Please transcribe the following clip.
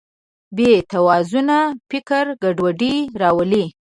بېتوازنه فکر ګډوډي راولي.